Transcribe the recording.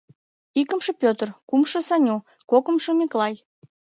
Икымше Пӧтыр, Кумшо Саню, Кокымшо Миклай...